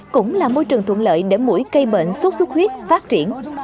cũng là môi trường thuận lợi để mũi cây bệnh suốt suốt huyết phát triển